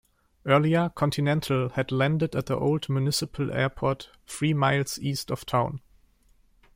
Earlier, Continental had landed at the old municipal airport three miles east of town.